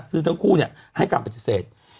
ซึ่งทั้งคู่เนี่ยให้กันปฏิเสธ